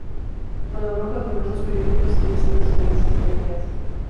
Colaboró con diversos periódicos y revistas nacionales y extranjeras.